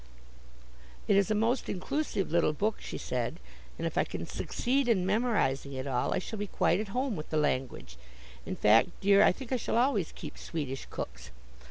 "It is a most inclusive little book," she said, "and if I can succeed in memorizing it all I shall be quite at home with the language. In fact, dear, I think I shall always keep Swedish cooks.